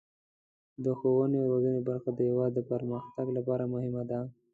د ښوونې او روزنې برخه د هیواد د پرمختګ لپاره مهمه ده.